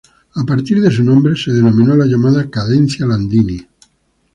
A partir de su nombre se denominó la llamada cadencia Landini.